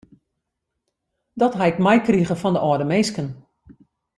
Dat ha ik meikrige fan de âlde minsken.